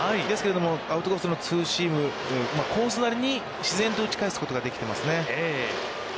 ですけれども、アウトコースのツーシーム、コースなりに自然と打ち返すことができていますね。